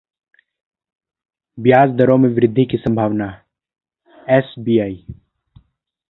ब्याज दरों में वृद्धि की संभावना: एसबीआई